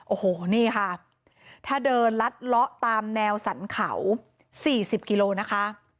โอ้โหนี่ค่ะถ้าเดินลัดล้อตามแนวสันเขาสี่สิบกิโลนะคะ